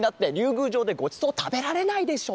ぐうじょうでごちそうたべられないでしょ？